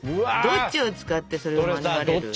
どっちを使ってそれを免れる？